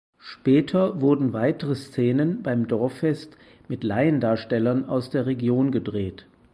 Später wurden weitere Szenen beim Dorffest mit Laiendarstellern aus der Region gedreht.